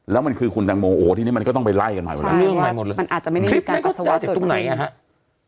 แล้วมันคือคุณดังโมโอโหที่นี้มันก็ต้องไปไล่กันมาก่อนแล้วใช่ว่ามันอาจจะไม่ได้มีการปัสสาวะตรงไหนนะฮะ